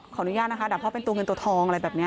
ขออนุญาตนะคะดักเพราะเป็นตัวเงินตัวทองอะไรแบบนี้